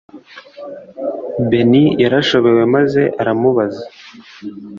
Bernie yarashobewe maze aramubaza